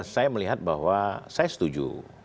saya melihat bahwa saya setuju